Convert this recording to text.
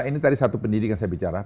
ini tadi satu pendidikan saya bicara